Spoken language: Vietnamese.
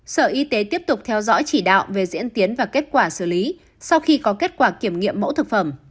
sở y tế tiếp tục theo dõi chỉ đạo về diễn tiến và kết quả xử lý sau khi có kết quả kiểm nghiệm mẫu thực phẩm